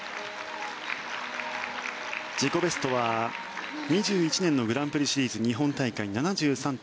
自己ベストは２１年のグランプリシリーズ日本大会７３．８８。